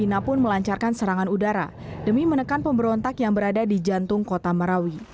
ina pun melancarkan serangan udara demi menekan pemberontak yang berada di jantung kota marawi